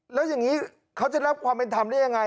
แล้วอย่างนี้เขาจะรับความเป็นธรรมได้ยังไง